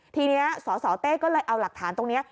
ทีนี้สสเต้ก็เลยเอาหลักฐานตรงนี้